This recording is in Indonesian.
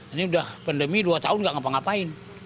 ini udah pandemi dua tahun nggak ngapa ngapain